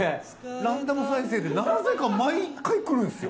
ランダム再生でなぜか毎回くるんですよ。